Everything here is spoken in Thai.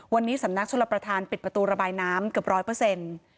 วันนี้สำนักชลประธานปิดประตูระบายน้ำเกือบร้อยเปอร์เซ็นต์